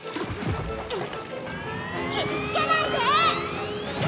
傷つけないで！